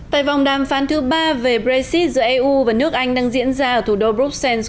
tại vòng đàm phán thứ ba về brexit giữa eu và nước anh đang diễn ra ở thủ đô bruxelles